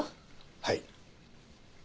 はい。